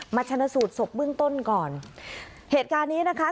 ชนะสูตรศพเบื้องต้นก่อนเหตุการณ์นี้นะคะ